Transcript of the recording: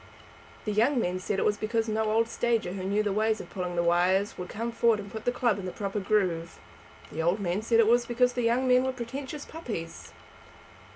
The young men said it was because no old stager who knew the way of pulling the wires would come forward and put the club in the proper groove. The old men said it was because the young men were pretentious puppies.